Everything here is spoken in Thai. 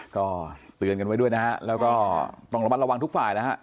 ก็เตือนกันไว้ด้วยนะฮะแล้วก็ต้องระมัดระวังทุกฝ่ายแล้วฮะ